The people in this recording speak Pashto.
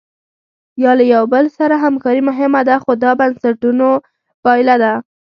یا له یو بل سره همکاري مهمه ده خو دا د بنسټونو پایله ده.